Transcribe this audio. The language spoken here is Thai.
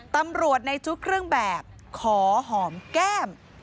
ตำรวจในทุกเครื่องแบบขอหอมแก้ม